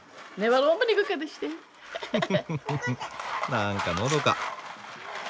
なんかのどか。